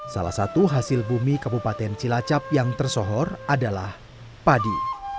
salah satu hasil bumi kabupaten cilacap yang tersohor adalah padi